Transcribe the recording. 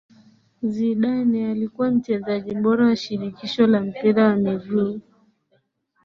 Zidane alikuwa mchezaji bora wa shirikisho la mpira wa miguu